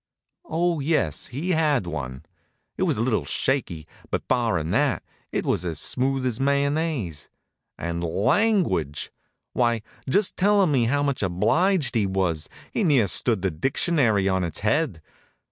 Oh, yes, he had one. It was a little shaky, but, barrin' that, it was as smooth as mayonnaise. And language! Why, just tellin' me how much obliged he was, he near stood the dictionary on its head.